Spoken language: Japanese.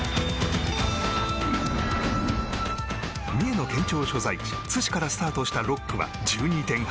三重の県庁所在地津市からスタートした６区は１２．８ｋｍ。